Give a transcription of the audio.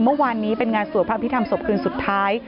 เมื่อวานนี้เป็นงานสวพพิธรรมศพคืนสุดท้าย